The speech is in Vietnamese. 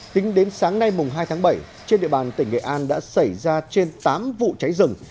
tính đến sáng nay hai tháng bảy trên địa bàn tỉnh nghệ an đã xảy ra trên tám vụ cháy rừng